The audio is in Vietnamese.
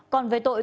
còn về tội